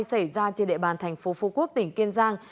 xảy ra trên địa bàn thành phố phú quốc tỉnh kiên giang